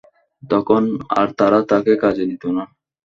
তখন আর তারা তাকে কাজে নিতো না।